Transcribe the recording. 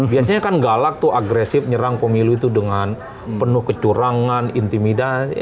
biasanya kan galak tuh agresif nyerang pemilu itu dengan penuh kecurangan intimidasi